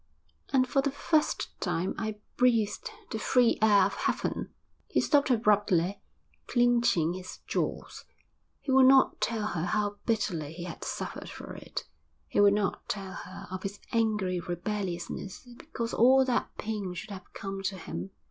And for the first time I breathed the free air of heaven.' He stopped abruptly, clenching his jaws. He would not tell her how bitterly he had suffered for it, he would not tell her of his angry rebelliousness because all that pain should have come to him.